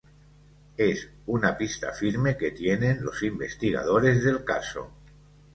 Esa es una pista firme que tienen los investigadores del caso.